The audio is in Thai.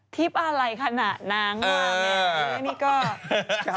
ทิศอะไรขนาดนางหวานแหละ